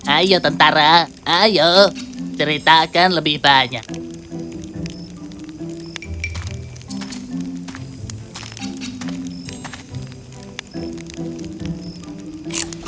ayo tentara ayo ceritakan lebih banyak